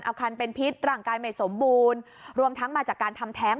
เอาคันเป็นพิษร่างกายไม่สมบูรณ์รวมทั้งมาจากการทำแท้ง